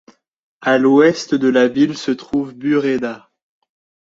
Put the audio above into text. A l'ouest de la ville se trouve Buraydah.